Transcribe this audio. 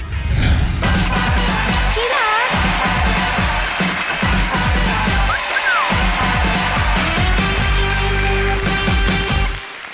ศึกสุดที่รัก